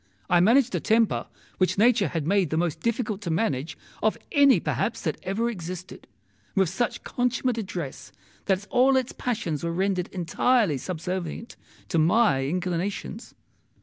I managed a temper which nature had made the most difficult to manage of any perhaps that ever existed, with such consummate address that all its passions were rendered entirely subservient to my inclinations.